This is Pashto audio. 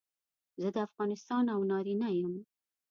زه د افغانستان او نارینه یم.